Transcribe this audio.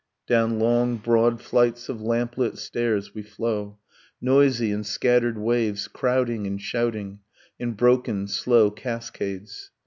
Down long broad flights of lamplit stairs we flow; Noisy, in scattered waves, crowding and shouting; In broken slow cascades.